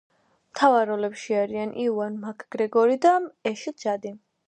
მთავარ როლებში არიან იუან მაკგრეგორი და ეშლი ჯადი.